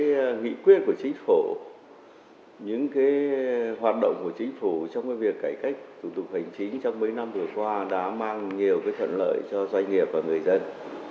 tôi nghĩ rằng những nghị quyết của chính phủ những hoạt động của chính phủ trong việc cải cách thủ tục hành chính trong mấy năm vừa qua đã mang nhiều thuận lợi cho doanh nghiệp và người dân